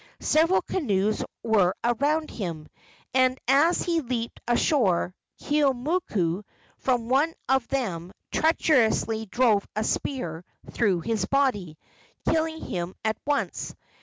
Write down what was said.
Several canoes were around him, and as he leaped ashore Keeaumoku, from one of them, treacherously drove a spear through his body, killing him at once.